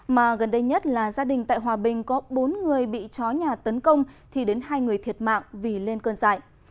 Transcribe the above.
mà gần đây nhất là gia đình tại hòa bình có bốn người bị chó nhà tấn công thì đến hai người thiệt mạng vì lên cơn dại